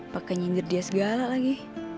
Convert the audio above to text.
pakai nyindir dia segala lagi